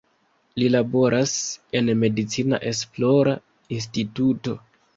Li laboras en medicina esplora instituto.